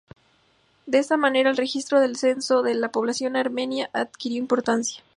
De esta manera el registro del censo de la población armenia adquirió importancia.